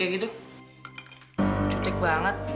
kan tadi kamu kenapa sih ngewakin candy kayak gitu